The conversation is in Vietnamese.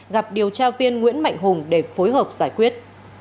gặp điều tra viên nguyễn mạnh hùng để phối hợp giải quyết